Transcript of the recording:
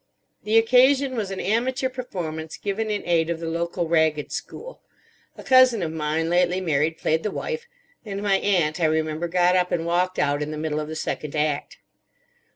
The occasion was an amateur performance given in aid of the local Ragged School. A cousin of mine, lately married, played the wife; and my aunt, I remember, got up and walked out in the middle of the second act.